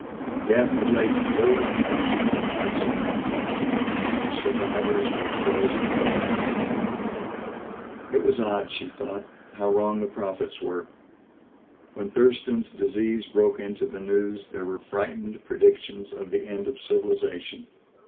Death had laid cold hands upon the hearts of mankind and the survivors were frozen to numbness. It was odd, she thought, how wrong the prophets were. When Thurston's Disease broke into the news there were frightened predictions of the end of civilization.